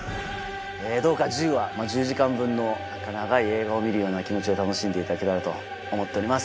どうか１０話１０時間分の長い映画を見るような気持ちで楽しんでいただけたらと思っております。